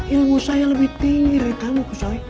ilmu saya lebih tinggi dari kamu